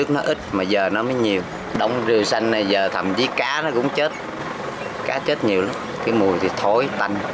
nó mới nhiều đông rượu xanh này giờ thậm chí cá nó cũng chết cá chết nhiều lắm cái mùi thì thối tành